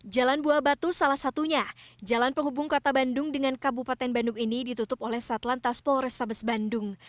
jalan buah batu salah satunya jalan penghubung kota bandung dengan kabupaten bandung ini ditutup oleh satlantas polrestabes bandung